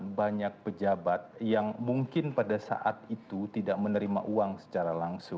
poin yang paling consial bagi kpk adalah kita bisa menemukan banyak pejabat yang mungkin pada saat itu tidak menerima uang secara langsung